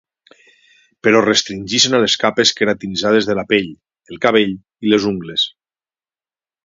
Però es restringeixen a les capes queratinitzades de la pell, el cabell i les ungles.